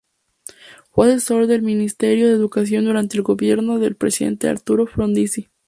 Fue asesor del Ministerio de Educación durante el gobierno del presidente Arturo Frondizi.